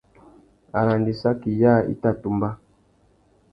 Arandissaki yâā i tà tumba.